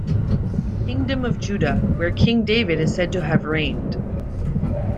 Kingdom of Judah, when King David is said to have reigned.